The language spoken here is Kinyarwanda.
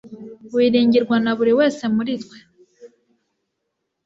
Wiringirwa na buri wese muri twe.